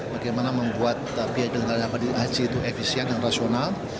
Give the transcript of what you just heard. bagaimana membuat biaya penyelenggaraan haji itu efisien dan rasional